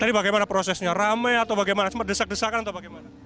tadi bagaimana prosesnya rame atau bagaimana berdesak desakan atau bagaimana